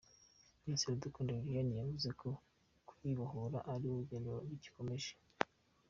Miss Iradukunda Liliane yavuze ko kwibohora ari urugendo rugikomeje.